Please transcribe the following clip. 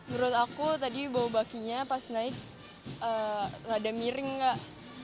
menurut aku tadi bawa bakinya pas naik rada miring kak